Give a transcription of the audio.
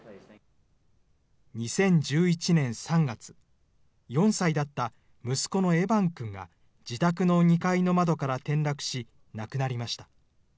２０１１年３月、４歳だった息子のエバンくんが、自宅の２階の窓から転落し、亡くなりました。